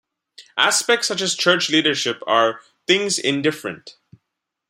Aspects such as church leadership are "things indifferent".